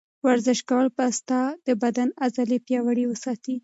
ورزش کول به ستا د بدن عضلې پیاوړې وساتي.